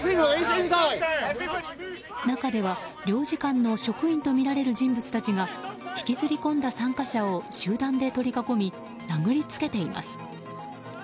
中では領事館の職員とみられる人物たちが引きずり込んだ参加者を集団で取り囲み殴りつけています。